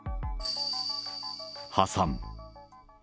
破産。